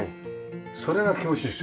それが気持ちいいですよね。